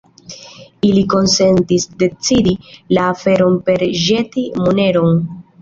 Ili konsentis decidi la aferon per ĵeti moneron.